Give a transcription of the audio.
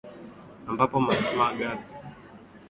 ambapo Mahatma Gandhi alizindua harakati za kuikomboa india